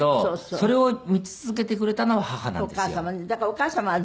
それを見続けてくれたのは母なんですよ。お母様ね。